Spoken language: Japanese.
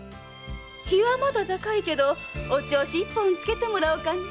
日はまだ高いけどお銚子一本つけてもらおうかねえ。